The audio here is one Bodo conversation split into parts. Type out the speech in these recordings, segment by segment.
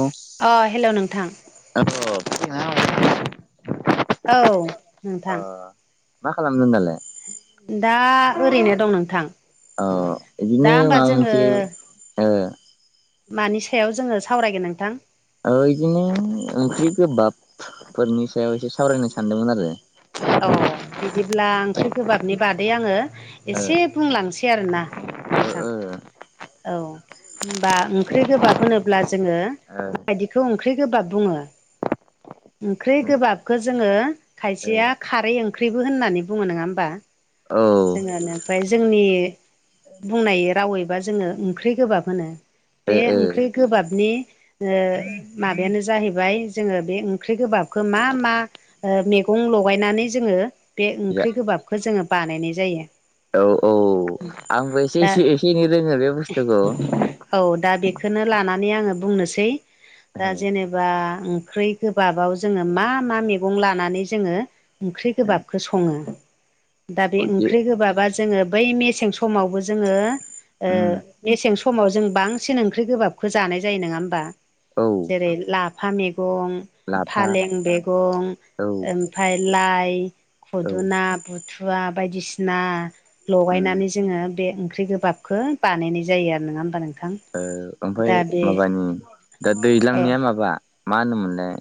औ ओ अह हेल' नोंथां [unintelligible] औ नोंथां मा खालामदों दालाय? दा ओरैनो दं नोंथां। औ दा बिदिनो होमबा माबा जोङो मोनसे ओ मानि सायाव जोङो सावरायगोन नोंथां औ बिदिनो ओंख्रि गोबाबफोरनि सायाव एसे सावरायनो सानदोंमोन आरो अह बिदिब्ला ओंख्रि गोबाबनि बागै आङो एसे बुंलांसै आरोना नोंथां ओ-ओ औ होमबा ओंख्रि गोबाब होनोब्ला जोङो माबायदिखौ ओंख्रि गोबाब बुङो ओंख्रि गोबाबखौ जोङो खायसेया खारै ओंख्रिबो होननानै बुङो नङा होमबा ओ जोंङो ओमफ्राय जोंनि बुंनाय रावैबा जोंङो ओंख्रि गोबाब होनो ओ औ बे ओ ओंख्रि गोबाबनि माबायानो जाहैबाय जोंङो बे ओंख्रि गोबाबखौ मा मा ओ मैगं ल लगायनानै जोंङो बे ओंख्रि गोबाबखौ जोंङो बानायनाय जायो। औ-औ आंबो एसे दा एसे एसे एनै रोङो बे बुस्थुखौ औ दा बेखौनो लानानै आंङो बुंनोसै दा जेनेबा ओंख्रि गोबाबाव जोंङो मा मा मैगं लानानै जोंङो ओंख्रि गोबाबखौ संङो दा बे ओंख्रि गोबाबा जोंङो बै मेसें समावबो जोंङो ओ उम मेसें समाव जों बांसिन ओंख्रि गोबाबखौ जानाय जायो नङा होमबा औ जेरै लाफा मैगं लाफा फालें मैगं औ ओमफाय लाइ ओम खुदुना बु थुवा बायदिसिना ओ लगायनानै जोंङो बे ओंख्रि गोबाबखौ बानायनाय जायो आरो नङा होमबा नोंथां दा ओमफ्राय बे माबानि दा औ दैज्लांनिया माबा मा होनोमोनलाय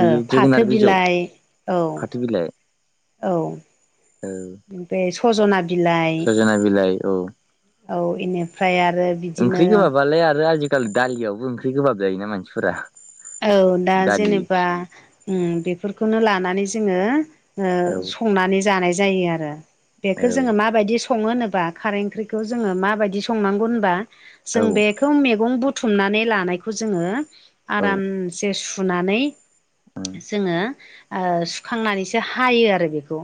बेयो फाथो जोगोनार बिजौ बिलाइ फाथो बिलाइ औ-औ औ बे सजना बिलाइ सजना बिलाइ औ औ इनिफ्राय आरो ओंख्रि बिदिनो गोबाबालाय आरो आजिखालि दालियावबो ओंख्रि गोबाब जायोना मानसिफोरा। औ दा दालि जेनेबा बेफोरखौनो ओम लानानै जोंङो ओ औ संनानै जानाय जायो आरो औ बेखौ जोंङो माबायदि संङो होनोबा खारै ओंख्रिखौ जोंङो मा बायदि संनांगौ होनबा औ जों बे खौ मैगं बुथुमनानै लानायखौ जोंङो औ आरामसे सुनानै उम जोंङो ओ सुखांनानैसो हायो आरो बेखौ।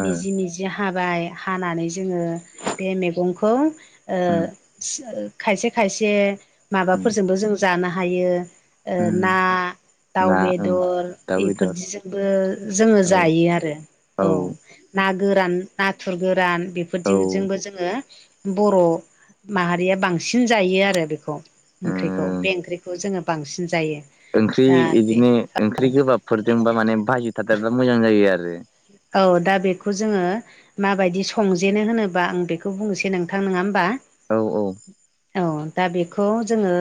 ओ मिजि मिजि हाबाय हानानै जोंङो बे मैगंखौ ओ उम खायसे खायसे उम माबाफोरजोंबो जों जानो हायो। ओ उम ना दाउ ना उम बेदर दाउ बेदर इफोरदिजोंबो जोंङो औ जायो आरो औ ना गोरान नाथुर गोरान बेफोरजोंबो उम जों जोंङो बर' माहारिया बांसिन जायो आरो बेखौ। ओंख्रिखौ बे ओंख्रिखौ जोंङो बांसिन जायो। ओंख्रि दा बे बिदिनो ओंख्रि गोबाबफोरजोंबा माने बाजि थादेरबा मोजां जायो आरो औ दा बेखौ जोंङो माबायदि संजेनो होनोबा आं बेखौ बुंसै नोंथां नङा होमबा औ औ। औ दा बेखौ जोङो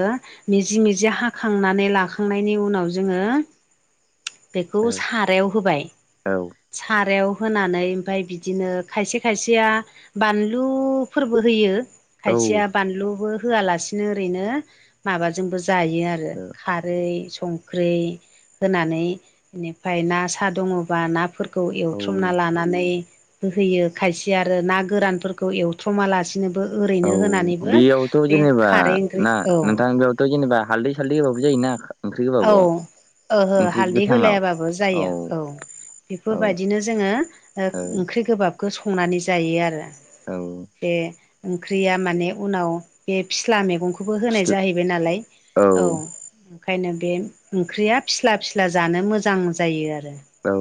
मिजि मिजि हाखांनानै लाखांनायनि उनाव जोङो बेखौ औ सारायाव होबाय औ। सारायाव होनानै ओमफाय बिदिनो खायसे खायसेया बानलु फोरबो होयो। औ खायसेया बानलुबो होआलासिनो ओरैनो माबाजोंबो जायो आरो औ खारै संख्रि होनानै बेनिफ्राय ना साहा दङबा नाफोर औ एवथ्रमना लानानै बोहोयो खायसे आरो ना गोरानफोरखौ एव थ्रमालासिनोबो औ ओरैनो होनानैबो बेयावथ' बे खारै ओंख्रि औ थ' जेनेबा हालदै सालदै होबाबो जोयोना? औ ओहो हालदै गोथाङाव होलायाबाबो जायो औ औ बेफोरबायदिनो जोङो औ ओंख्रि गोबाबखौ संनानै जायो आरो औ। बे ओंख्रिया माने उनाव बे फिस्ला मैगंखौबो होनाय फिस्ला जाहै बाय नालाय औ। खायनो बे ओंख्रिया फिस्ला फिस्ला जानो मोजां जायो आरो। औ।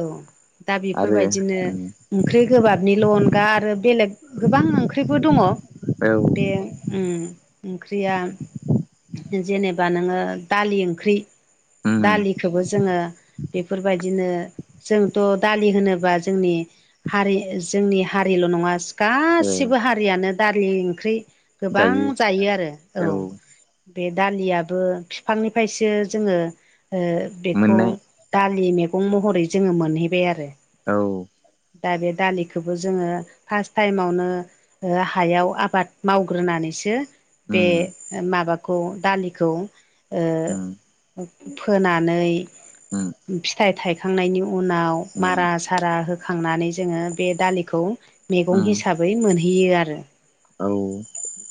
औ दा आरो बेफोरबायदिनो ओंख्रि गोबाबनिल' अनगा आरो बेलेग गोबां ओंख्रिबो दङ। औ बे उम। ओंख्रिया जेनेबा नोङो दालि ओंख्रि उम दालिखौबो जोङो बेफोरबायदिनो जोंथ' दालि होनोबा जोंनि हारि जोंनि हारिल' नङा औ गासिबो हारियानो दालि ओंख्रि गोबां जायो आरो औ। बे दालियाबो बिफांनिफ्रायसो जोङो ओ बेखौ मोननाय दालि मेगं महरै जोङो मोनहैबाय आरो। औ। दा बे दालिखौबो जोङो फार्स्ट टाइमावनो ओ हायाव आबाद मावग्रोनानैसो बे उम माबाखौ दालिखौ उम ओ फोनानै उम। फिथाइ थायखांनायनि उनाव उम मारा सारा होखांनानै जोङो बे दालिखौ मैगं उम हिसाबै मोनहैयो आरो। औ।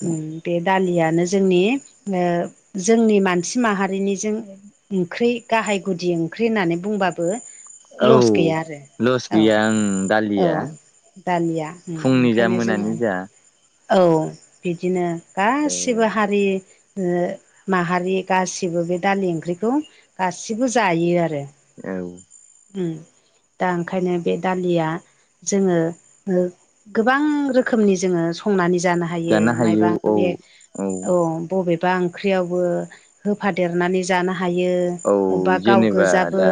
उम बे दालियानो जोंनि ओ जोंनि मानसि माहारिनिजों ओंख्रि गाहाय गुदि ओंख्रि होननानै बुंबाबो औ लस गैया आरो लस गैया आं औ दालिया औ। दालिया उम फुंनि जा ओंखायनो जोङो मोनानि जा औ बिदिनो ओ गासिबो हा रि ओ माहारि गासिबो बे दालि ओंख्रिखौ गासिबो जायो आरो। औ। उम दा ओंखायनो बे दालिया जोङो ओ गोबां रोखोमनि जोङो संनानै जानो हायो मायबा [unintelligible] बे औ बबे बा ओंख्रियावबो होफादेरनानै जानो हायो। औ अबेबा गाव जेनेबा गोजाबो दा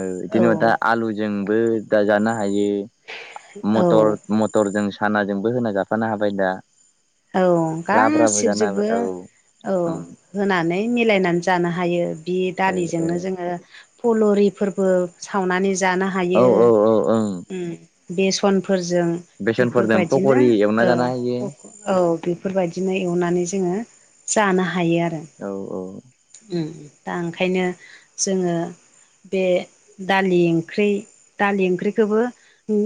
ओ औ जेनेबा दा आलु जोंबो दाजानो हायो औ मटर मटरजों सानाजोंबो होना जाफानो हाबाय दा। औ लाब्राबो जानो गासिबजोबो हाबाय औ होनानै मिलायनानै जानो हायो। बे दालिजोंनो जोङो फुलरिफोरबो सावनानै जानो औ हायो ओं ओ औ औ ओं ओम बे समफोरजों। बेफोर बेसनफोरजों बायदिनो पकरि एवना औ। जानो हायो औ बेफोर बायदिनो एवनानै जोङो जानो हायो आरो औ औ। उम उम दा ओंखायनो जोङो बे दालि ओंख्रि दालि ओंख्रिखौबो उम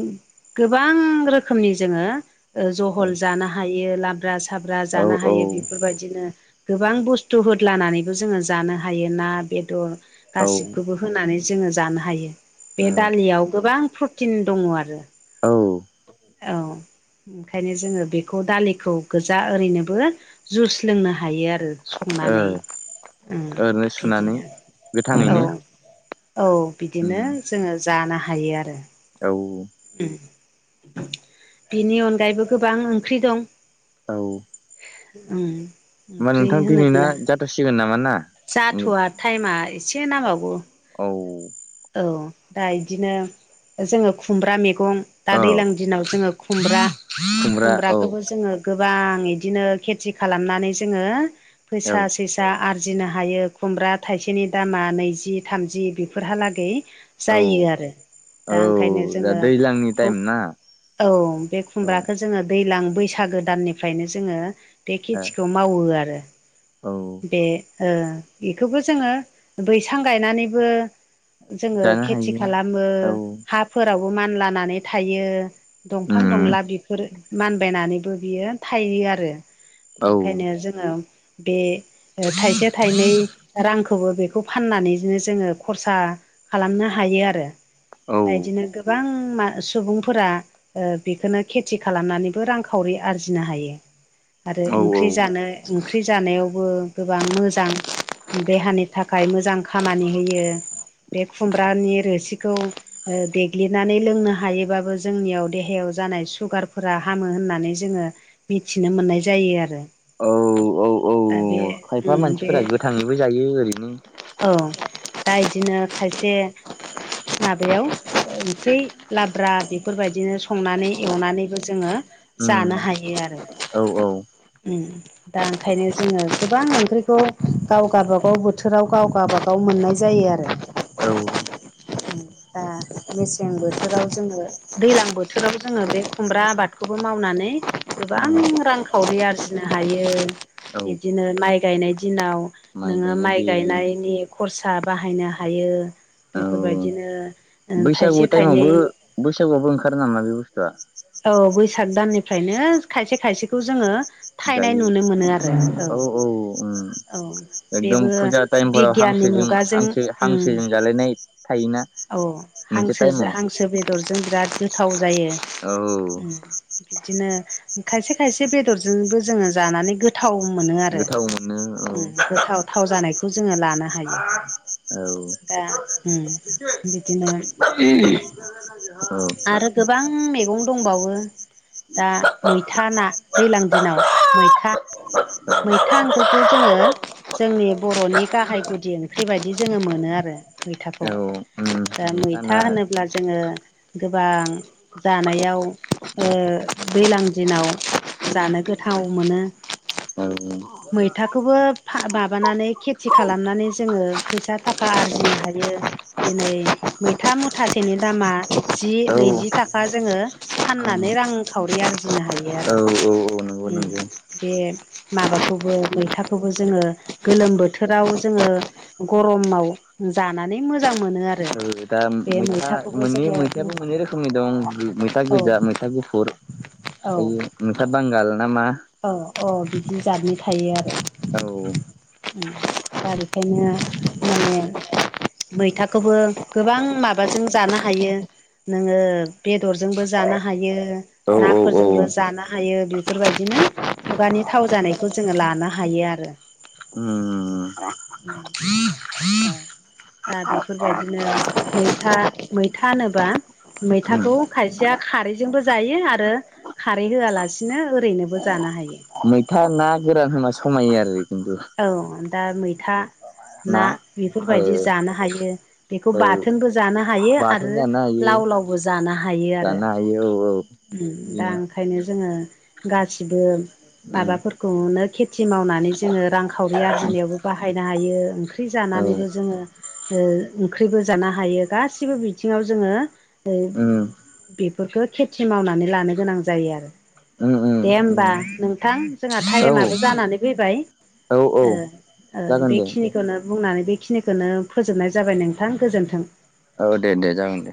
गोबां रोखोमनि जोङो ओ जहल जानो हायो लाब्रा साब्रा औ जानो हायो बेफोर बायदिनो गोबां बुस्थु होदलानानैबो जोङो जानो हायो ना बेदर औ गासिबखौबो होनानै जोङो जानो हायो बे औ दालियाव गोबां प्रटिन दङ आरो। औ औ ओंखायनो जोङो बेखौ दालिखौ गोजा ओरैनोबो जुस लोंनो हायो आरो संनानै ओम ओरैनो सुनानै बिदिनो औ गोथाङैनो औ बिदिनो उम जोङो जानो हायो आरो औ ओम बिनि अनगायैबो गोबां ओंख्रि दं। औ ओम ओंख्रि नोंथां दिनैना होनोब्ला जाथ'सिगोन नामा ना जाथ'वा। टाइमा एसे नांबावगौ। औ औ दा इदिनो जोङो खुमब्रा मैगं। दा औ दैज्लां दिनाव जोङो खुमब्रा खुमब्रा औ खुमब्राखौबो जोङो। गोबां इदिनो खेथि खालामनानै जोङो औ फैसा। पैसा आर्जिनो हायो खुमब्रा थाइसेनि दामा नैजि थामजि बेफोर हालागै। औ जायो आरो दा ओंखायनो औ दा जोङो। दैज्लांनि खुम टाइम ना औ बे औ खुमब्राखो। जोङोदैज्लां बैसागो दाननिफ्रायनो जोङो बे खेथिखौ मावो आरो औ बे ओ बेखौबो जोङो बैसां गायनानैबो। जोङो जानो खेथि हायो खालामो औ हा फोरावबो मानलानानै थायो दंफां उम दंला बिफोर मानबायनानैबो बियो थायो आरो औ ओंखायनो जोङो बे, थाइसे थाइनै रां बेखौ फाननानैनो जोङो खरसा खालामनो हायो आरो औ बायदिनो। गोबां मासु सुबुंफोरा ओ बेखौनो खेथि खालामनानैबो रांखावरि आरजिनो हायो। आरो ओंख्रि जानो ओंख्रि जानायावबो गोबां मोजां। देहानि थाखाय मोजां खामानि होयो। बे खुमब्रानि रोसिखौ देग्लिनानै लोंनो हायो। थोबाबो जोंनियाव देहायाव जानाय सुगारफोरा हामो होननानै जोङो। मिथिनो मोननाय जायो आरो औ औ औ दा बे खायफा उम बे मानसिफोरा गोथाङैबो जायो ओरैनो। औ दा इदिनो खायसे। माबायाव ओंख्रि लाब्रा बेफोरबायदिनो संनानै एवनानैबो जोङो। उम जानो हायो आरो। औ - औ। उम। दा ओंखायनो जोङो गोबां ओंख्रिखौ गाव गाबागाव बोथोराव गाव गाबागाव बाव मोननाय जायो आरो। औ। उम दा मेसें बोथोराव जोङो दैज्लां बोथोराव जोङो बे खुमब्रा आबादखौबो मावनानै। गोबां औ रांखावरि आरजिनो हायो औ बिदिनो माइ गायनाय दिनाव। नोङो गायनाय माइ दिन गायनायनि खरसा बाहायनो हायो औ बेफोरबायदिनो। थाइसे बैसागु टाइमावबो थाइनै बैसागुआवबो ओंखारो नामा बे बुस्थुआ। औ बैसाग दाननिफ्रायनो खायसे खायसेखौ जोङो। थायनाय जायो नुनो मोनो आरो औ औ उम, औ बेबो एकदम फुजा टाइमफोराव बिगियाननि हांसोजों मुगाजों हांसो उम हांसोजों जालायनाय थायोना? औ मोनसे हांसो टाइमाव हांसो बेदरजों बिराद गोथाव जायो। औ बिदिनो खायसे-खायसे बेदरजोंबो जोङो जानानै गो थाव मोनो आरो गोथाव मोनो औ उम गोथाव थाव जानायखौ जोङो लानो हायो। औ। दा उम बिदिनो औ। आरो गोबां मैगं दंबावो। दा मैथा ना दैलां दिनाव मैथा मैथा ओंख्रिखौ जोङो जोंनि बर'नि गाहाय गुदि ओंख्रि बायदि जोङो मोनो आरो मैथाखौ। औ उम। दा मैथा नोंथाङा होनोब्ला जोङो गोबां जानायाव ओ दैलां दिनाव जानो गोथाव मोनो। औ-औ। मैथाखौबो फा माबानानै खेथि खालामनानै जोङो फैसा थाखा आरजिनो हायो। दिनै मैथा मुथासेनि दामा जि, औ नैजि थाखा जोङो फाननानै रांखावरि आरजिनो हायो आरो। औ औ नोंगो। उम बे माबाखौबो मैथाखौबो जोङो गोलोम बोथोराव जोङो गर'माव जानानै मोजां मोनो आरो। दा बे मैथा मैथाखौबो मोननै जोङो मैथायाबो मोननै रोखोमनि दं मैथा औ गोजा मैथा गुफुर। औ। ओयो मैथा बांगाल नामा? औ-अ बिदि जादनि थायो आरो। औ दा बेखायनो माने मैथाखौबो गोबां माबाजों जानो हायो। नोङो बेदरजोंबो जानो हायो। औ औ औ नाफोरजोंबो जानो हायो। बेफोरबायदिनो खुगानि थाव जानायखौ जोङो लानो हायो आरो। औ उम। दा बेफोरबायदिनो मैथा मैथा होनोबा मैथाखौ खायसेया खारैजोंबो जायो। आरो खारै होआलासिनो ओरैनोबो जानो हायो। मैथा ना गोरान होना समायो आरो खिन्थु। औ दा मैथा ना औ बेफोरबायदि जानो हायो बेखौ औ बाथोनबो जानो हायो बाथोन आरो जानो हायो लाव-लाव जानो हायो आरो। जानो हायो औ औ उम दा बिदिनो ओंखायनो जोङो गासिबो माबाफोरखौनो खेथि मावनानै जोङो रांखावरि आरजिनायावबो बाहायनो हायो ओंख्रि औ औ जानानैबो जोङो ओ ओंख्रिबो जानो हायो गासिबो बिथिङाव जोङो [unintelligible] उम बेफोरखो खेथि मावनानै लानो गोनां जायो आरो। उम उम दे होमबा उम नोंथां जोंहा औ थाएमाबो जानानै फैबाय। औ औ ओ ओ जागोन दे दे। बेखिनिखौनो बुंनानै बेखिनिखोनो फोजोबनाय जाबाय नोंथां गोजोन्थों। ओ दे-दे जागोन दे।